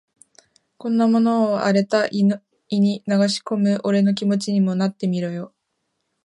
こんなものを荒れた胃に流し込む俺の気持ちにもなってみろよ。